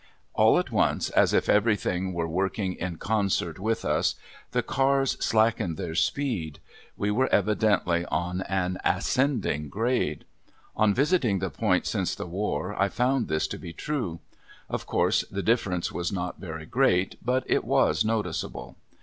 All at once, as if everything were working in concert with us, the cars slackened their speed. We were evidently on an ascending grade. On visiting the point since the war I found this to be true. Of course the difference was not very great but it was noticeable.